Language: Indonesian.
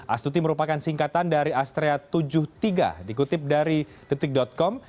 astuti merupakan singkatan dari astria tujuh puluh tiga dikutip dari detik com